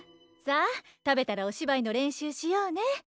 さあ食べたらお芝居の練習しようね。